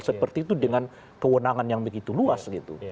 seperti itu dengan kewenangan yang begitu luas gitu